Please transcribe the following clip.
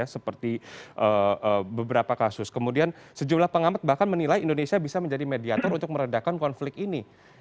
seperti beberapa kasus kemudian sejumlah pengamat bahkan menilai indonesia bisa menjadi mediator untuk meredakan konflik ini